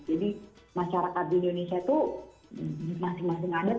jadi masyarakat di indonesia itu masing masing adat